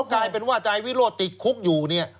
กลายเป็นว่านายวิโรธติดคุกอยู่เนี่ย